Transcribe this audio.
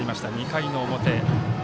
２回の表。